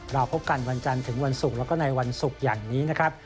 เราพบกันวันจันทร์ถึงวันศุกร์แล้วก็ในวันศุกร์อย่างนี้นะครับ